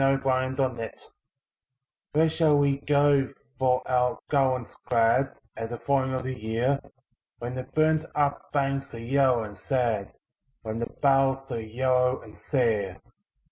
A Song of Autumn "Where shall we go for our garlands glad At the falling of the year, When the burnt up banks are yellow and sad, When the boughs are yellow and sere?